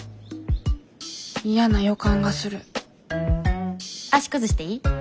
嫌な予感がする足崩していい？